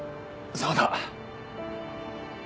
そうだ。